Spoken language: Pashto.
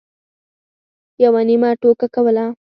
یوه نیمه ټوکه کوله.